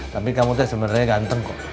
tapi kamu tuh sebenarnya ganteng kok